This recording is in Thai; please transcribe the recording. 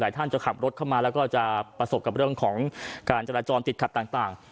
ท่านจะขับรถเข้ามาแล้วก็จะประสบกับเรื่องของการจราจรติดขัดต่าง